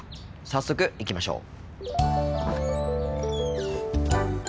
早速行きましょう。